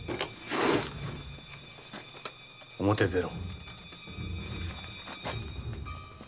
表へ出ろ。